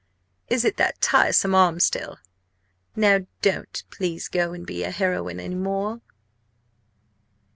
"Is it that tiresome arm still? Now, don't please go and be a heroine any more!"